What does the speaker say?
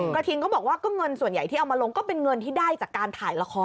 กระทิงเขาบอกว่าก็เงินส่วนใหญ่ที่เอามาลงก็เป็นเงินที่ได้จากการถ่ายละคร